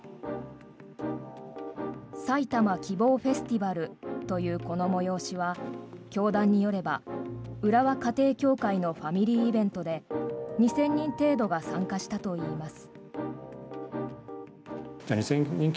埼玉希望フェスティバルというこの催しは教団によれば、浦和家庭教会のファミリーイベントで２０００人程度が参加したといいます。